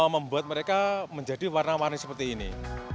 membuat mereka menjadi warna warni seperti ini